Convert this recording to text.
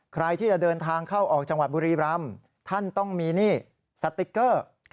ใครที่จะเดินทางเข้าออกจังหวัดบุรีรำท่านต้องมีนี่สติ๊กเกอร์